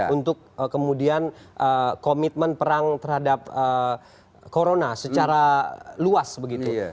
untuk kemudian komitmen perang terhadap corona secara luas begitu